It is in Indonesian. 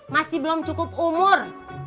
masih belum cukup umur